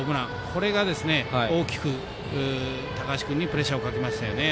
これが大きく高橋君にプレッシャーをかけましたよね。